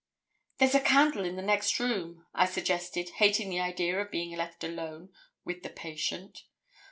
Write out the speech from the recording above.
'There's a candle in the next room,' I suggested, hating the idea of being left alone with the patient.